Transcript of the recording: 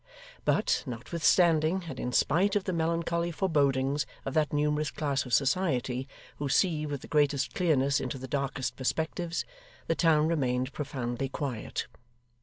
But, notwithstanding, and in spite of the melancholy forebodings of that numerous class of society who see with the greatest clearness into the darkest perspectives, the town remained profoundly quiet.